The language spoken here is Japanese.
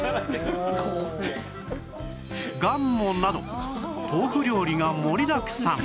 がんもなど豆腐料理が盛りだくさん